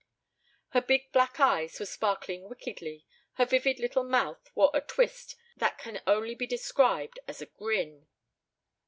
Her big black eyes were sparkling wickedly, her vivid little mouth wore a twist that can only be described as a grin.